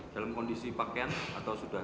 dalam kondisi pakaian atau sudah